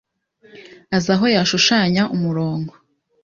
azi aho yashushanya umurongo.